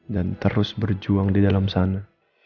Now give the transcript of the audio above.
dan terus berjuang di dalam sana